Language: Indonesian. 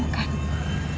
dinda kenteri manik